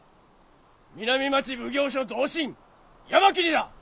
南町奉行所同心八巻にだ！